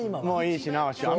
もういいしな。